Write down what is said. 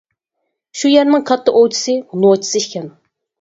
شۇ يەرنىڭ كاتتا ئوۋچىسى، نوچىسى ئىكەن.